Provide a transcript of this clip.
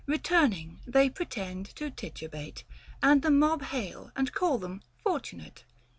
Returning, they pretend to titubate ; And the mob hail and call them " fortunate."